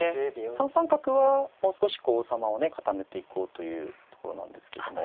３三角はもう少し王様をね固めていこうというところなんですけども。